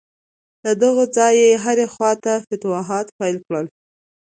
له دغه ځایه یې هرې خواته فتوحات پیل کړل.